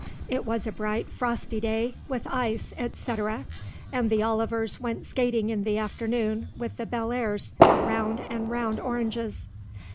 It was a bright frosty day, with ice, etcetera, and the Olivers went skating in the afternoon with the Bellairs, round and round oranges.